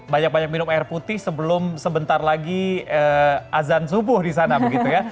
banyak banyak minum air putih sebelum sebentar lagi azan subuh di sana begitu ya